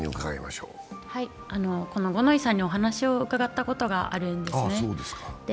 この五ノ井さんにお話を伺ったことがあるんですね。